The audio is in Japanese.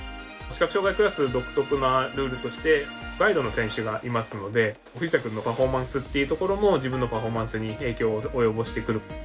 視覚障がいクラス独特なルールとしてガイドの選手がいますので藤田君のパフォーマンスっていうところも自分のパフォーマンスに影響を及ぼしてくる。